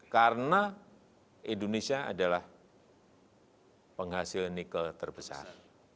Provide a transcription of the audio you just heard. karena indonesia adalah penghasil nikel terbesar